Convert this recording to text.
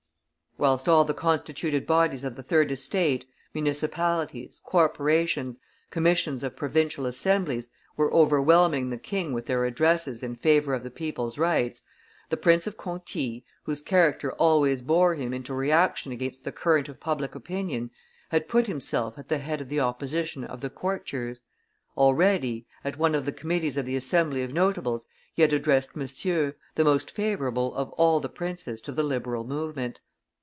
Whilst all the constituted bodies of the third estate, municipalities, corporations, commissions of provincial assemblies, were overwhelming the king with their addresses in favor of the people's rights, the Prince of Conti, whose character always bore him into reaction against the current of public opinion, had put himself at the head of the opposition of the courtiers. Already, at one of the committees of the Assembly of notables, he had addressed Monsieur, the most favorable of all the princes to the liberal movement.